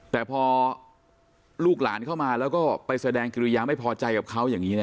แต่พอลูกหลานเข้ามาแล้วก็ไปแสดงกิริยาไม่พอใจกับเขาอย่างนี้